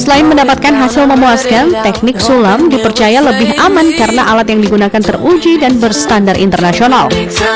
selain mendapatkan hasil memuaskan teknik sulam dipercaya lebih aman karena alat yang digunakan teruji dan berstandar internasional